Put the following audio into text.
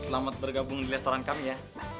selamat bergabung di restoran kami ya